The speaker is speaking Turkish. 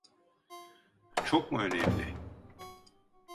Çok mu önemli?